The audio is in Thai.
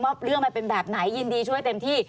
เรื่องมันเป็นแบบไหนยินดีช่วยเต็มที่